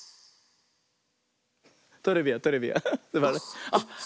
トレビアントレビアン。